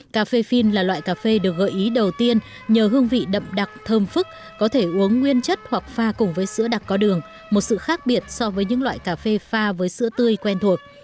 cà phê phin là loại cà phê được gợi ý đầu tiên nhờ hương vị đậm đặc thơm phức có thể uống nguyên chất hoặc pha cùng với sữa đặc có đường một sự khác biệt so với những loại cà phê pha với sữa tươi quen thuộc